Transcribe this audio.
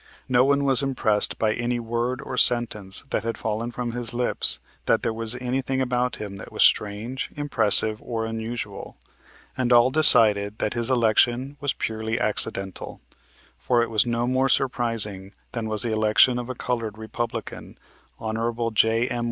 No one was impressed by any word or sentence that had fallen from his lips that there was anything about him that was strange, impressive or unusual, and all decided that his election was purely accidental; for it was no more surprising than was the election of a colored Republican, Hon. J.M.